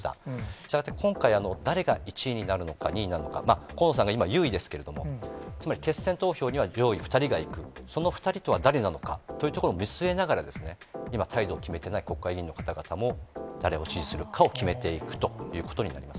したがって今回、誰が１位になるのか、２位になるのか、河野さんが今、優位ですけれども、つまり決選投票には上位２人が行く、その２人とは誰なのかというところを見据えながら、今、態度を決めていない国会議員の方々も、誰を支持するかを決めていくということになります。